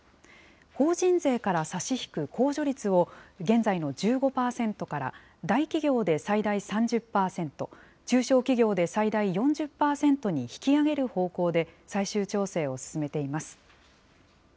法人税から差し引く控除率を、現在の１５％から、大企業で最大３０％、中小企業で最大４０％に引き上げる方向で、最終調整を進めています。